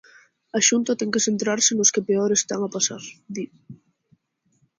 "A Xunta ten que centrarse nos que peor o están a pasar", di.